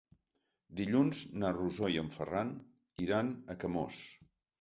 Dilluns na Rosó i en Ferran iran a Camós.